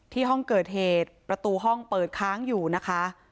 ห้องเกิดเหตุประตูห้องเปิดค้างอยู่นะคะ